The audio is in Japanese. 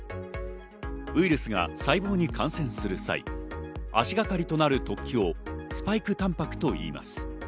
ウイルスが細胞に感染する際、足がかりとなる突起をスパイクタンパクといいます。